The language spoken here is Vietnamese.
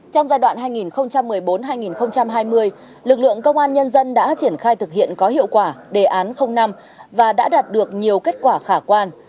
trong giai đoạn hai nghìn một mươi bốn hai nghìn hai mươi lực lượng công an nhân dân đã triển khai thực hiện có hiệu quả đề án năm và đã đạt được nhiều kết quả khả quan